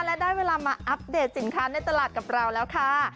และได้เวลามาอัปเดตสินค้าในตลาดกับเราแล้วค่ะ